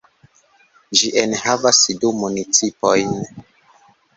Ĝi enhavas du municipojn.